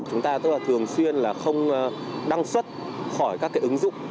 chúng ta thường xuyên không đăng xuất khỏi các ứng dụng